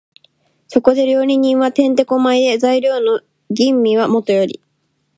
そこで料理人は転手古舞で、材料の吟味はもとより、